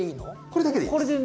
これだけでいいです。